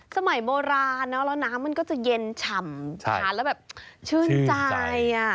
สมัยโบราณแล้วน้ำมันก็จะเย็นฉ่ำทานแล้วแบบชื่นใจ